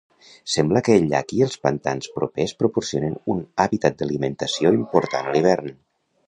Sembla que el llac i els pantans propers proporcionen un hàbitat d'alimentació important a l'hivern.